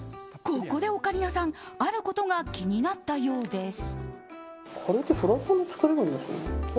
ここでオカリナさんあることが気になったようです。